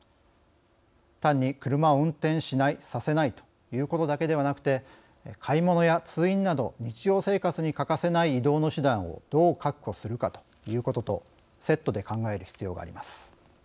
単に車を運転しないさせないということだけではなくて買い物や通院など日常生活に欠かせない移動の手段をどう確保するかということとセットで考える必要があります。